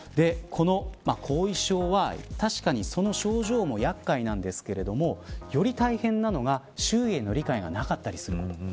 後遺症は、確かにその症状も厄介なんですけれどもより大変なのが周囲への理解がなかったりすること。